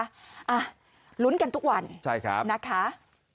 อ่ะลุ้นกันทุกวันนะคะใช่ครับ